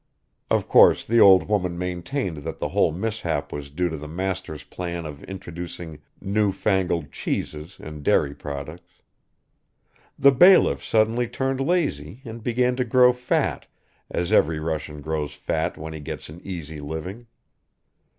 . of course, the old woman maintained that the whole mishap was due to the master's plan of introducing new fangled cheeses and dairy products. The bailiff suddenly turned lazy and began to grow fat as every Russian grows fat when he gets an easy living.